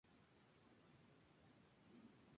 Una rama importante de la actividad es el turismo.